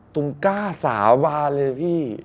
ตูมกล้าสาวาเลย